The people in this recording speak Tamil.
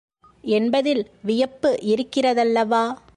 என்பதில் வியப்பு இருக்கிறதல்லவா?